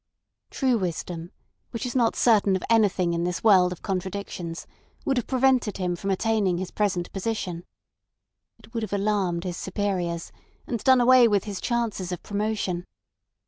True wisdom, which is not certain of anything in this world of contradictions, would have prevented him from attaining his present position. It would have alarmed his superiors, and done away with his chances of promotion.